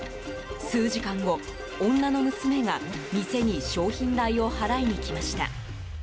数時間後、女の娘が店に商品代を払いに来ました。